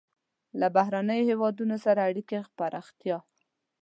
له بهرنیو هېوادونو سره اړیکو پراختیا.